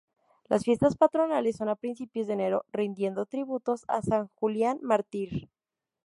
Las fiestas patronales son a principios de enero rindiendo tributo a San Julián Mártir.